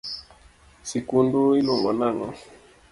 Sikundu iluongo nang’o?